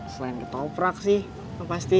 selain ketoprak sih yang pasti